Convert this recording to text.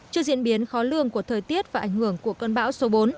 trước diễn biến khó lường của thời tiết và ảnh hưởng của cơn bão số bốn